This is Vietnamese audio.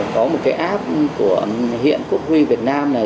có một cái app của hiện quốc huy việt nam này